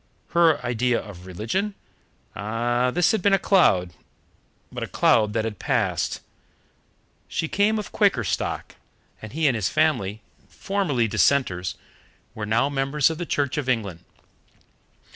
Her idea of religion ah, this had been a cloud, but a cloud that passed. She came of Quaker stock, and he and his family, formerly Dissenters, were now members of the Church of England.